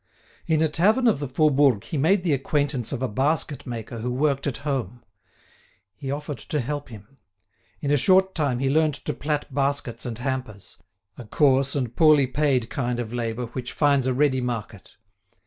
In a tavern of the Faubourg he made the acquaintance of a basket maker who worked at home. He offered to help him. In a short time he learnt to plait baskets and hampers—a coarse and poorly paid kind of labour which finds a ready market.